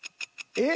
えっ？